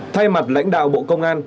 thay mặt lãnh đạo bộ công an